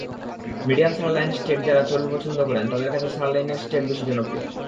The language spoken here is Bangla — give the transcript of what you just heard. মিডিয়াম সারলইন স্টেকযাঁরা চর্বি পছন্দ করেন, তাঁদের কাছে সারলইনের স্টেক বেশি জনপ্রিয়।